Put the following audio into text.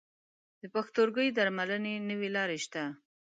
د پښتورګو درملنې نوي لارې شته.